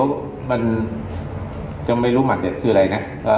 มีเหตุผลใหม่ข้อที่กินหมัดเดี๋ยวมันจะไม่รู้หมัดเด็ดคืออะไรนะเอาใจเด็ดเด็ด